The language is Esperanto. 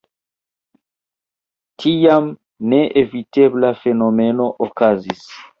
Tiam neevitebla fenomeno okazis.